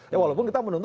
ya walaupun kita menuntut